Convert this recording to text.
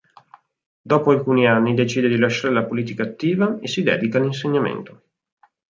Dopo alcuni anni decide di lasciare la politica attiva e si dedica all'insegnamento.